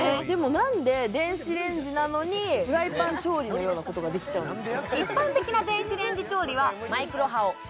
何で電子レンジなのにフライパン調理のようなことができちゃうんですか？